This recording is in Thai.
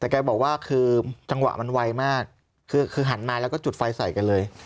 แต่แกบอกว่าคือจังหวะมันไวมากคือหันมาแล้วก็จุดไฟใส่กันเลย